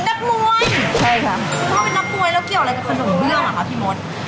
ใช่ครับคุณพ่อเป็นนักมวยแล้วเกี่ยวอะไรกับสนุนเบื้องหรือครับพี่มด